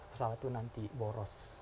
pesawat itu nanti boros